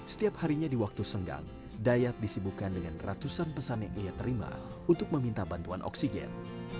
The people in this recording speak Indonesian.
setiap harinya di waktu senggang dayat disibukan dengan ratusan pesan yang ia terima untuk meminta bantuan oksigen